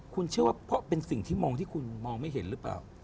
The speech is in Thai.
คุณเชื่อว่าเพราะเป็นสิ่งที่มองที่คุณมองไม่เห็นหรือเปล่า